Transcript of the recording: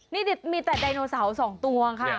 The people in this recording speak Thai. นี่มีแต่ไดโนเสาร์๒ตัวค่ะ